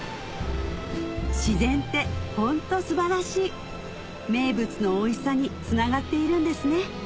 自然ってホント素晴らしい名物のおいしさにつながっているんですね